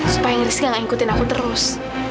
supaya rizky gak ngikutin aku terus